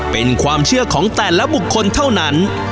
เป็นความเชื่อของแต่ละบุคคลเท่านั้น